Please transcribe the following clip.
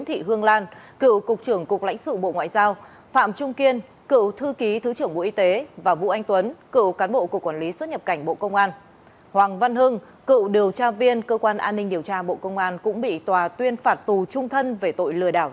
trần văn dự cựu phó cục trưởng cục quản lý xuất nhập cảnh bộ công an cùng bị phạt bảy năm tù